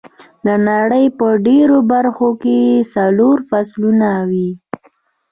د نړۍ په ډېرو برخو کې څلور فصلونه وي.